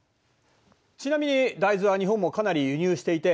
ちなみに大豆は日本もかなり輸入していて